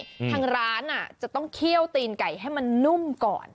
ทางร้านอ่ะจะต้องเคี่ยวตีนไก่ให้มันนุ่มก่อน